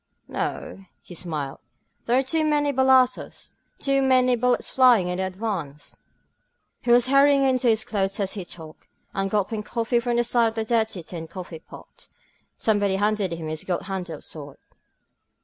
^^No," he smiled. There are too many balassos — too many bullets flying in the advance. ..." He was hurrying into his clothes as he talked, and gulping coffee from the side of a dirty tin coffee pot. Somebody handed him his gold handled sword.